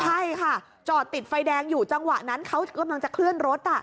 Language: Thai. ใช่ค่ะจอดติดไฟแดงอยู่จังหวะนั้นเขากำลังจะเคลื่อนรถ